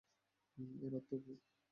এর অর্থ কি?